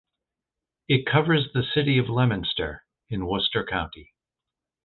It covers the city of Leominster in Worcester County.